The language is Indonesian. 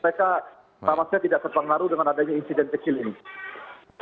mereka sama sekali tidak terpengaruh dengan adanya insiden kecil ini